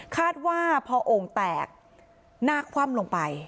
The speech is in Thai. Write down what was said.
คาดว่าพอโอ่งแตกหน้าคว่ำลงไป